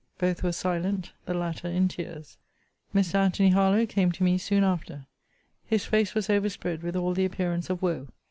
Both were silent. The latter in tears. Mr. Antony Harlowe came to me soon after. His face was overspread with all the appearance of woe.